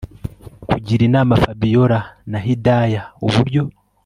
kugira inama Fabiora na Hidaya uburyo